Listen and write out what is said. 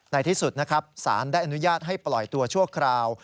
ในที่สุดนะครับสารได้อนุญาตให้ปล่อยตัวชั่วคราว